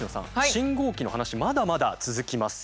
信号機の話まだまだ続きます。